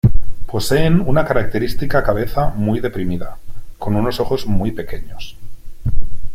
Poseen una característica cabeza muy deprimida, con unos ojos muy pequeños.